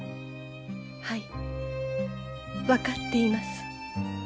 はい分かっています。